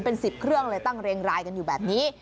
เป็น๑๐เครื่องเลยตั้งเรียงรายกันอยู่แบบนี้